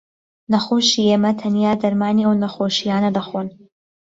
نەخۆشی ئێمە تەنیا دەرمانی ئەو نەخۆشییانە دەخۆن